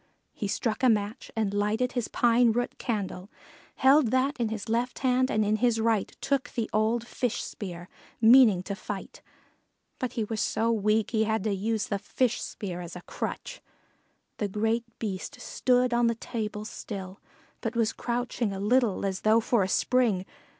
He struck a match and lighted his pine root candle, held that in his left hand and in his right took the old fish spear, meaning to fight, but he was so weak he had to use the fish spear as a crutch. The great Beast stood on the table still, but was crouching a little as though for a spring.